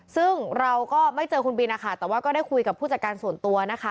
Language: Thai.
ซึ่งเราก็ไม่เจอคุณบินนะคะแต่ว่าก็ได้คุยกับผู้จัดการส่วนตัวนะคะ